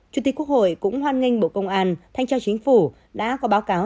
chủ tịch quốc hội cũng hoan nghênh bộ công an thanh tra chính phủ đã có báo cáo